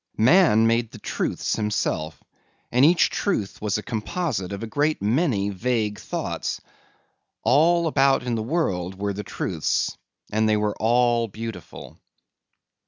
Man made the truths himself and each truth was a composite of a great many vague thoughts. All about in the world were the truths and they were all beautiful.